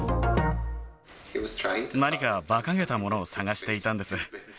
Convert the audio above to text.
何か、ばかげたものを探していたんです。